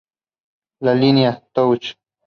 La línea "Touch!